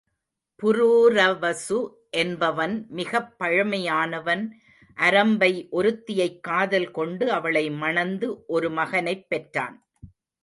புரூரவசு என்பவன் மிகப் பழமையானவன் அரம்பை ஒருத்தியைக் காதல் கொண்டு அவளை மணந்து ஒரு மகனைப் பெற்றான்.